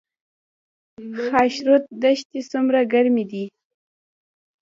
خاشرود دښتې څومره ګرمې دي؟